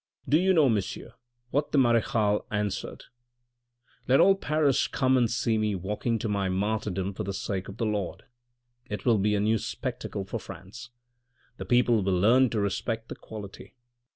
Do you know, monsieur, what the merechale answered ?' Let all Paris come and see me walking to my martyrdom for the sake of the Lord. It will be a new spectacle for France. The people will learn to respect the quality.